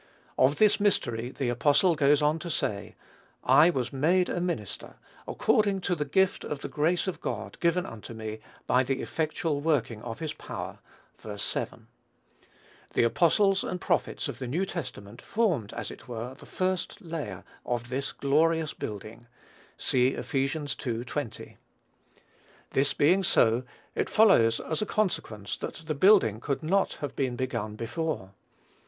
Of this mystery the apostle goes on to say, "I was made a minister, according to the gift of the grace of God, given unto me, by the effectual working of his power." (Ver. 7.) The apostles and prophets of the New Testament formed, as it were, the first layer of this glorious building. (See Eph. ii. 20.) This being so, it follows as a consequence that the building could not have been begun before.